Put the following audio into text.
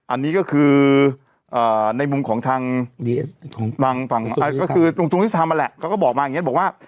อันนี้ก็คือในมุมของทางตรงทุนิศทางมาแหละเขาก็บอกมาอย่างนี้